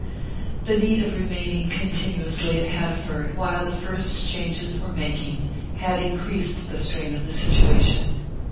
The need of remaining continuously at Hanaford while the first changes were making had increased the strain of the situation.